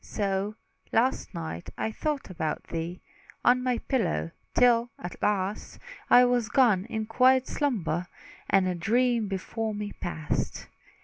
So, last night I thought about thee On my pillow, till, at last, I was gone in quiet slumber; And a dream before me passed.